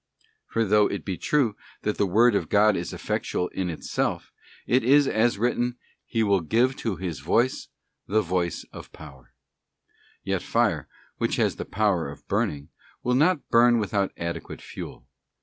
For though it be true that the word of God is effectual in itself, as it is written, ' He will give to His voice the voice of power,' f yet fire, which has the power of burning, will not burn without adequate fuel.